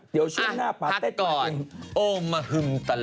เดี๋ยวช่วยหน้าปาเต็กก่อนเองอ่ะพักก่อน